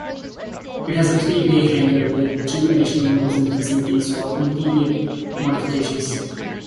It has a three-bay hangar with two additional 'Nose In' facilities for interior modifications.